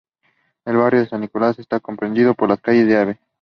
El barrio de San Nicolás está comprendido por las calles Av.